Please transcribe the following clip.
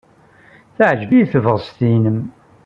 Teɛjeb-iyi tebɣest-nnem.